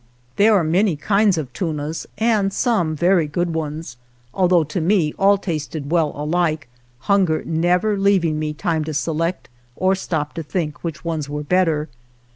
There are many kinds of tunas, and some very good ones, although to me all tasted well alike, hunger never leaving me time to select, or stop to think which ones were better.